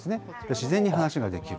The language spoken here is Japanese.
自然に話ができる。